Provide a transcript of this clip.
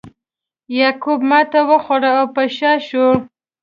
یعقوب ماتې وخوړه او په شا شو.